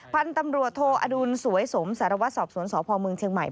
พันธุ์ตำรวจโทอดุลสวยสมสารวัตรสอบสวนสพเมืองเชียงใหม่